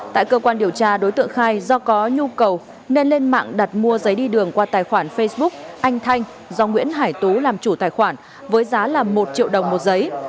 tại cơ quan điều tra đối tượng khai do có nhu cầu nên lên mạng đặt mua giấy đi đường qua tài khoản facebook anh thanh do nguyễn hải tú làm chủ tài khoản với giá là một triệu đồng một giấy